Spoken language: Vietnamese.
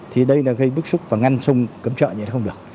thì đây là gây bức xúc và ngăn sung cấm trợ như thế không được